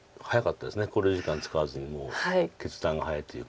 考慮時間使わずにもう決断が早いというか。